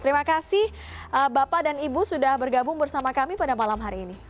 terima kasih bapak dan ibu sudah bergabung bersama kami pada malam hari ini